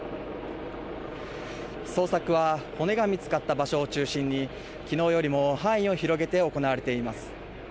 捜索は骨が見つかった場所を中心に昨日よりも範囲を広げて行われています。